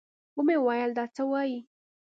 ومې ويل دا څه وايې.